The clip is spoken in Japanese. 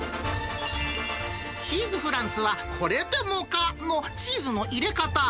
チーズフランスは、これでもかの、チーズの入れ方。